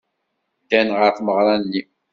Ddan ɣer tmeɣra-nni.